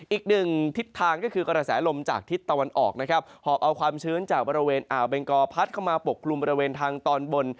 อีกหนึ่งทิศทางก็คือกระแสลมจากทิศตะวันออกนะครับหอบเอาความชื้นจากบริเวณอ่าวเบงกอพัดเข้ามาปกกลุ่มบริเวณทางตอนบน